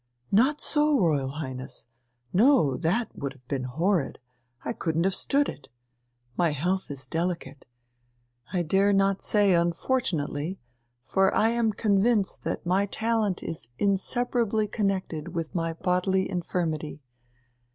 "Not so, Royal Highness! No, that would have been horrid, I couldn't have stood it. My health is delicate I dare not say 'unfortunately,' for I am convinced that my talent is inseparably connected with my bodily infirmity.